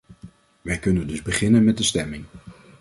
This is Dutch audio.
Wij kunnen dus beginnen met de stemming.